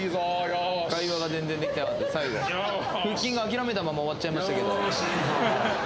腹筋が諦めたまま終わっちゃいましたけど。